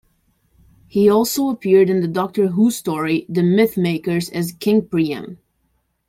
He also appeared in the "Doctor Who" story "The Myth Makers" as King Priam.